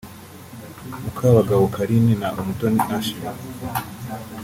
Mukabagabo Carine na Umutoni Ashley